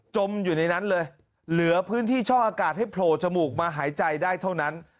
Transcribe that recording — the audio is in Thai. มอยู่ในนั้นเลยเหลือพื้นที่ช่ออากาศให้โผล่จมูกมาหายใจได้เท่านั้น